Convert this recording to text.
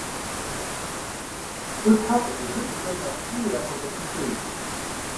Ӏулъхьэ къеӀызыххэм, нэхъ ткӀийуэ япэщӀэтын хуейщ.